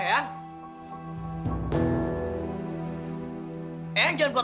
ayang masih masih di sana